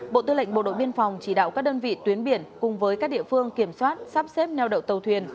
bộ tư lệnh bộ đội biên phòng chỉ đạo các đơn vị tuyến biển cùng với các địa phương kiểm soát sắp xếp neo đậu tàu thuyền